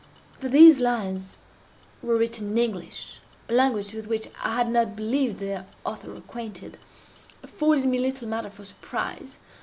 That these lines were written in English—a language with which I had not believed their author acquainted—afforded me little matter for surprise.